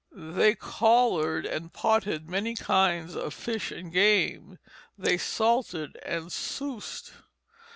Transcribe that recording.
They collared and potted many kinds of fish and game, and they salted and soused.